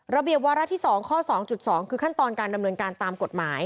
ระเบียบวาระที่๒ข้อ๒๒คือขั้นตอนการดำเนินการตามกฎหมาย